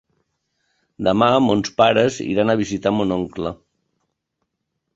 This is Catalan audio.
Demà mons pares iran a visitar mon oncle.